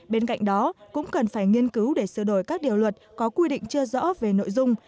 bên cạnh đó cũng cần phải nghiên cứu để sửa đổi các điều luật có quy định chưa rõ về nội dung